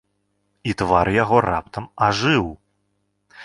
І твар яго раптам ажыў.